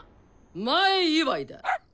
前祝いだ！